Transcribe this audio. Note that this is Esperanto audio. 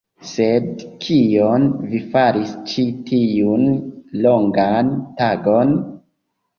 Sed, kion vi faris ĉi tiun longan tagon?